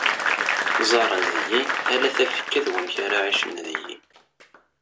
Ẓẓaren-d deg-i ala tafekka d wamek ara ɛicen deg-i.